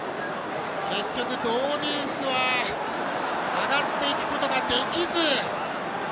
結局、ドウデュースは上がっていくことができず。